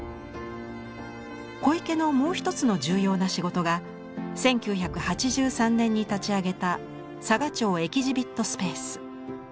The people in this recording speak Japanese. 小池のもう一つの重要な仕事が１９８３年に立ち上げた「佐賀町エキジビット・スペース」。